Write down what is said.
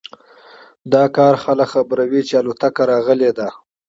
دا کار خلک خبروي چې الوتکه راغلی ده